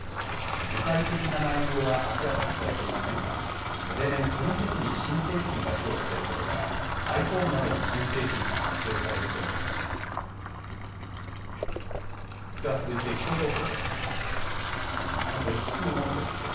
具体的な内容は明らかにされていませんが例年この時期に新製品が披露されることからｉＰｈｏｎｅなどの新製品が発表されると見られます。